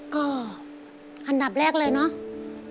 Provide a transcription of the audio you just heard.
ก็อันดับแรกเลยนะครับ